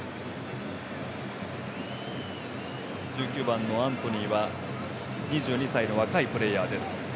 １９番のアントニーは２２歳の若いプレーヤーです。